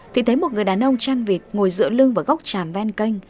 thì thấy một người đàn ông chăn vịt ngồi giữa lưng vào góc tràm ven kênh